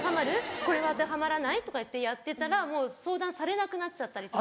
これは当てはまらない？とかいってやってたらもう相談されなくなっちゃったりとか。